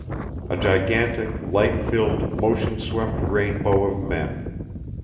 A gigantic, light filled, motion swept rainbow of men.